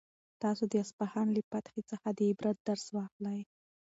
تاسو د اصفهان له فتحې څخه د عبرت درس واخلئ.